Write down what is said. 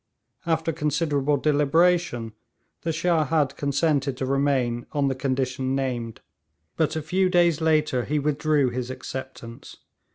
After considerable deliberation, the Shah had consented to remain on the condition named, but a few days later he withdrew his acceptance.